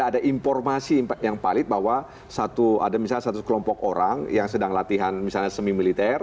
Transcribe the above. ada informasi yang palit bahwa ada misalnya satu kelompok orang yang sedang latihan misalnya semi militer